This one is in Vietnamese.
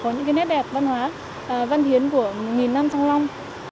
có những cái nét đẹp văn hóa văn hiến của nghìn năm trong lòng